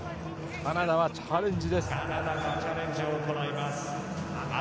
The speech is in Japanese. カナダはチャレンジです。